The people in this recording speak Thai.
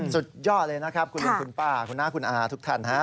สุดยอดเลยนะครับคุณลุงคุณป้าคุณน้าคุณอาทุกท่านฮะ